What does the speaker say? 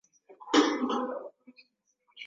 walishinda Anatolia ya Mashariki ambayo ilikuwa sehemu